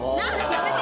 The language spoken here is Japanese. やめて！